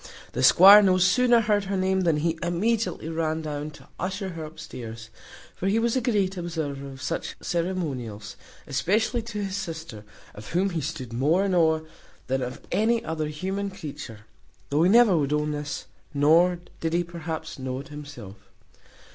The squire no sooner heard her name, than he immediately ran down to usher her upstairs; for he was a great observer of such ceremonials, especially to his sister, of whom he stood more in awe than of any other human creature, though he never would own this, nor did he perhaps know it himself.